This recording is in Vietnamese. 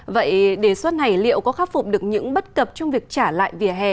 vậy đề xuất này liệu có khắc phục được những bất cập trong việc trả lại vỉa hè